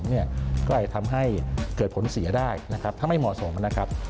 เนี่ยก็อาจจะทำให้เกิดผลเสียได้นะครับถ้าไม่เหมาะสมนะครับ